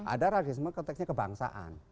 ada radikalisme konteksnya kebangsaan